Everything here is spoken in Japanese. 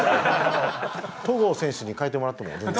戸郷選手に変えてもらっても。